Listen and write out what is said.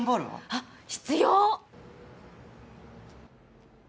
あっ必要！